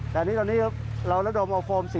แต่ตอนนี้เราระดมเอาโฟม